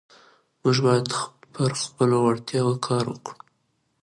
موږ باید پر خپلو وړتیاوو کار وکړو